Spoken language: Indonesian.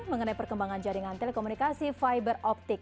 mengenai perkembangan jaringan telekomunikasi fiberoptik